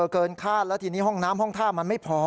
เกินคาดแล้วทีนี้ห้องน้ำห้องท่ามันไม่พอ